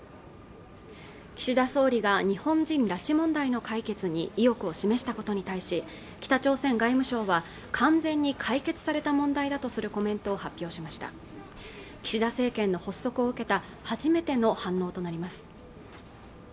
岸田総理が日本人拉致問題の解決に意欲を示したことに対し北朝鮮外務省は完全に解決された問題だとするコメントを発表しました岸田政権の発足を受けた初めての反応となります